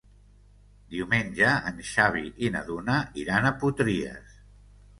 Diumenge en Xavi i na Duna iran a Potries.